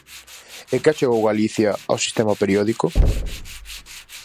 E que achegou Galicia ao sistema periódico?